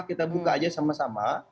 kita buka aja sama sama